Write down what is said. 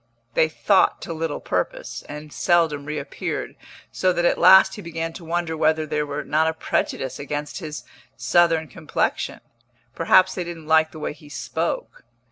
They thought to little purpose, and seldom reappeared, so that at last he began to wonder whether there were not a prejudice against his Southern complexion. Perhaps they didn't like the way he spoke.